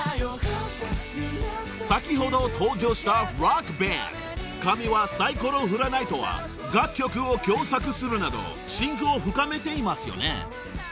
［先ほど登場したロックバンド神はサイコロを振らないとは楽曲を共作するなど親交を深めていますよね？］